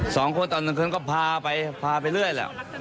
สองคนตอนหนึ่งก็พาไปไปเรื่อยเลย